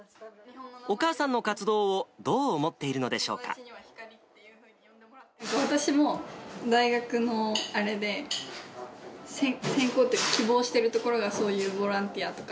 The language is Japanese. お母さんの活動をどう思っている私も大学のあれで、専攻というか、希望しているところがそういうボランティアとか。